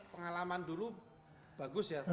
pengalaman dulu bagus ya